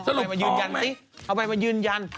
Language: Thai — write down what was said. สรุปท้องไหมเอาไปมายืนยันสิเอาไปมายืนยัน